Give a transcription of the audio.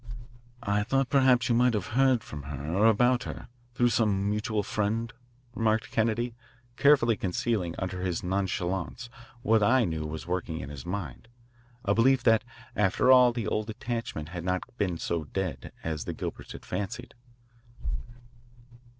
"I thought perhaps you might have heard from her or about her, through some mutual friend," remarked Kennedy, carefully concealing under his nonchalance what I knew was working in his mind a belief that, after all, the old attachment had not been so dead as the Gilberts had fancied.